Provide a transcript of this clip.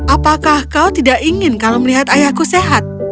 apakah kau tidak ingin kalau melihat ayahku sehat